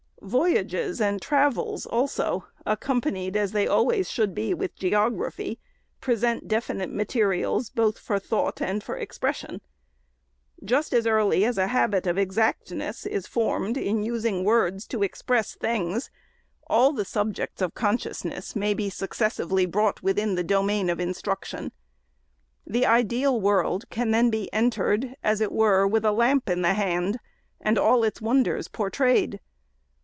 Voyages and travels, also, accompanied as they always should be with geography, present definite materials both for thought and expres sion. Just as early as a habit of exactness is formed in using words to express things, all the subjects of con sciousness may be successively brought within the domain of instruction. The ideal world can then be entered, as it were with a lamp in the hand, and all its wonders por trayed.